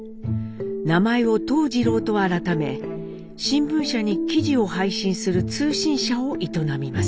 名前を東次郎と改め新聞社に記事を配信する通信社を営みます。